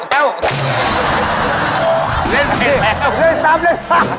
แล้วเล่นไปแล้ว